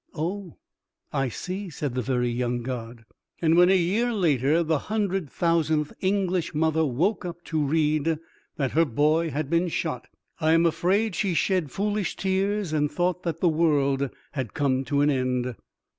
"Oh, I see," said the very young god.)_ And when a year later the hundred thousandth English mother woke up to read that her boy had been shot, I am afraid she shed foolish tears and thought that the world had come to an end.